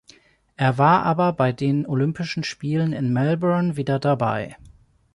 Er war aber bei den Olympischen Spielen in Melbourne wieder dabei.